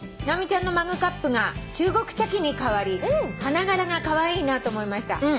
直美ちゃんのマグカップが中国茶器にかわり花柄がカワイイなと思いました」